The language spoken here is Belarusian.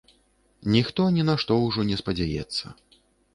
Ніхто ні на што ўжо не спадзяецца.